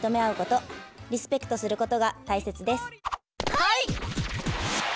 はい！